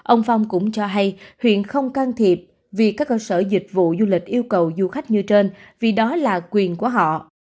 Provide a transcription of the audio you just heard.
ông phong cũng cho hay huyện không can thiệp vì các cơ sở dịch vụ du lịch yêu cầu du khách như trên vì đó là quyền của họ